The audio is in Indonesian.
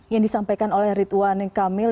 yang disampaikan oleh ridwan kamil